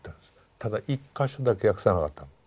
ただ１か所だけ訳さなかったの。